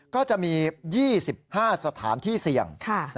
ก็จะมี๒๕สถานที่เสี่ยง